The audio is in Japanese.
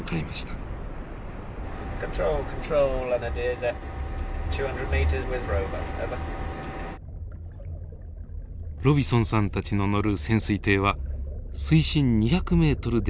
ロビソンさんたちの乗る潜水艇は水深２００メートルで待ち受けます。